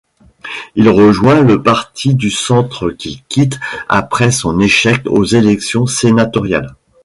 Il rejoint le Parti du Centre qu'il quitte après son échec aux élections sénatoriales.